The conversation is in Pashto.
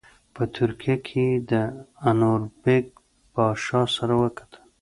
په ترکیه کې یې د انوربیګ پاشا سره وکتل.